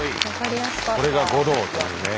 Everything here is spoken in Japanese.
これが護道というね。